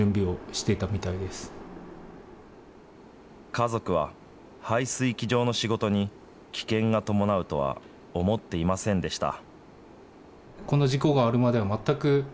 家族は、排水機場の仕事に危険が伴うとは思っていませんでした。